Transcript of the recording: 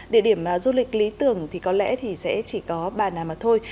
địa điểm du lịch lý tưởng thì có lẽ thì sẽ chỉ có ba nàm thôi